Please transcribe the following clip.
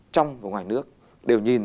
trong và ngoài nước đều nhìn